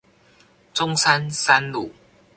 中山三路